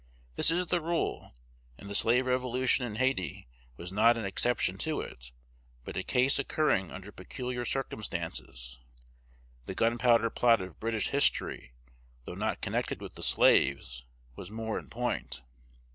This is the rule; and the slave revolution in Hayti was not an exception to it, but a case occurring under peculiar circumstances. The gunpowder plot of British history, though not connected with the slaves, was more in point.